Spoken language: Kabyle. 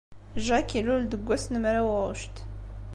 Jack ilul-d deg wass n mraw Ɣuct.